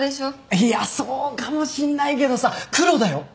いやそうかもしんないけどさ黒だよ黒。